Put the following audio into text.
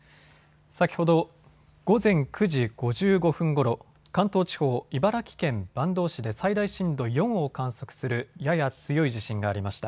先ほど、午前９時５５分ごろ、関東地方、茨城県坂東市で最大震度４を観測するやや強い地震がありました。